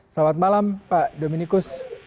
selamat malam pak dominikus